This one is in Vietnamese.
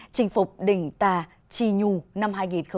trình phục đỉnh tà chi nhù năm hai nghìn hai mươi ba